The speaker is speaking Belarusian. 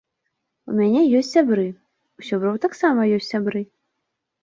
У мяне ёсць сябры, у сяброў таксама ёсць сябры.